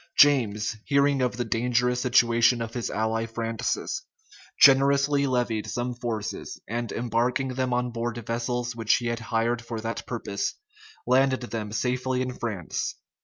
James, hearing of the dangerous situation of his ally Francis, generously levied some forces; and embarking them on board vessels which he had hired for that purpose, landed them safely in France.